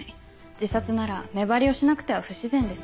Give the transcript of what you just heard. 自殺なら目張りをしなくては不自然です。